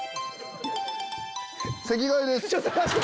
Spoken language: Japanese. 席替えです。